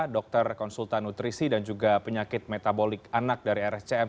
dokter konsultan nutrisi dan juga penyakit metabolik anak dari rscm